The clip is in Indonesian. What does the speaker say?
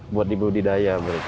buat dibudidayakan begitu